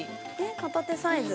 片手サイズ。